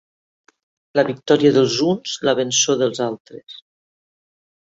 La victòria dels uns, la vençó dels altres.